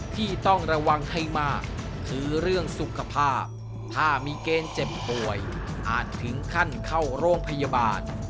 ที่ต้องระวังให้มากคือเรื่องสุขภาพถ้ามีเกณฑ์เจ็บป่วยอาจถึงขั้นเข้าโรงพยาบาล